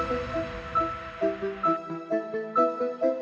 saya beneran akan bekerja todosau